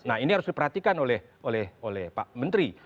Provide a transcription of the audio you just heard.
nah ini harus diperhatikan oleh pak menteri